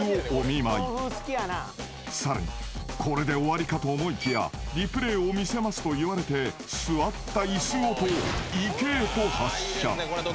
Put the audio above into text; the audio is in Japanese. ［さらにこれで終わりかと思いきや「リプレーを見せます」と言われて座った椅子ごと池へと発射］